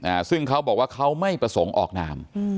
อ่าซึ่งเขาบอกว่าเขาไม่ประสงค์ออกนามอืม